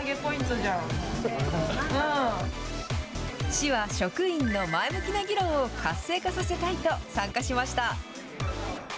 市は、職員の前向きな議論を活性化させたいと参加しました。